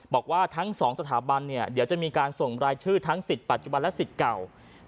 บอกว่าทั้งสองสถาบันเนี่ยเดี๋ยวจะมีการส่งรายชื่อทั้งสิทธิปัจจุบันและสิทธิ์เก่า